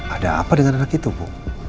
ada apa dengan anak itu bu